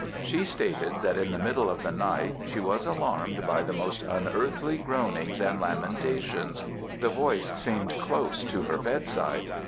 She stated that in the middle of the night she was alarmed by the most unearthly groanings and lamentations the voice seemed close to her bedside.